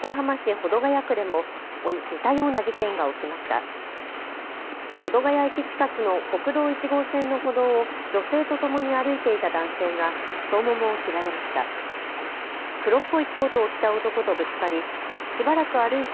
保土ケ谷駅近くの国道１号線の歩道を女性とともに歩いていた男性が太ももを切られました。